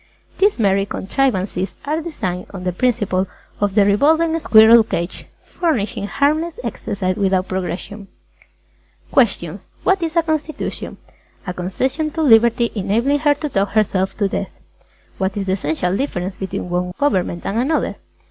These merry contrivances are designed on the principle of the revolving squirrel cage, furnishing harmless exercise without progression. QUESTIONS Q. What is a Constitution? A. A concession to Liberty enabling her to talk herself to death. _Q. What is the essential difference between one government and another?